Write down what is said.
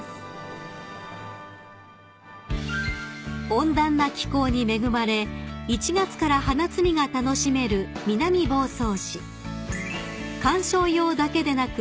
［温暖な気候に恵まれ１月から花摘みが楽しめる南房総市］